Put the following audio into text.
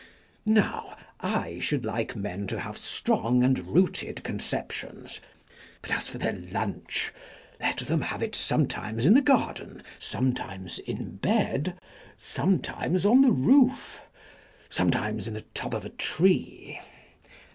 Now, I should like men to have strong and rooted conceptions, but as for their lunch, let them have it sometimes in the garden, sometimes in bed, sometimes on the roof, sometimes in the top of a tree.